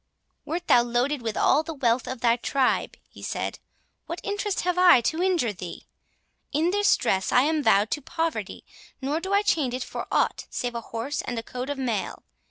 "Wert thou loaded with all the wealth of thy tribe," he said, "what interest have I to injure thee?—In this dress I am vowed to poverty, nor do I change it for aught save a horse and a coat of mail.